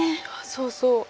そうそう。